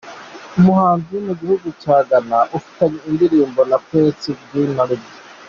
Umuhanzi wo mu gihugu cya Ghana ufitanye indirimbo na Princes du Nord.